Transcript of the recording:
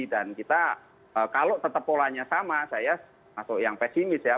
karena kalau tetap polanya sama saya masuk yang pesimis ya